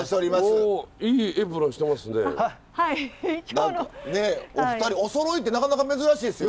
何かねお二人おそろいってなかなか珍しいですよ。